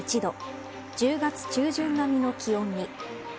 １０月中旬並みの気温に。